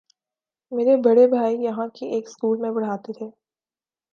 میرے بڑے بھائی یہاں کے ایک سکول میں پڑھاتے تھے۔